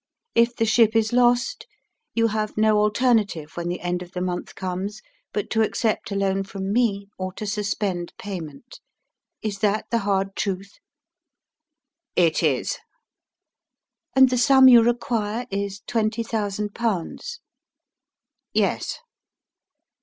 If the ship is lost, you have no alternative, when the end of the month comes, but to accept a loan from me or to suspend payment. Is that the hard truth?" "It is." "And the sum you require is twenty thousand pounds?" "Yes."